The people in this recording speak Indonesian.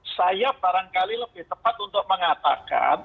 saya barangkali lebih tepat untuk mengatakan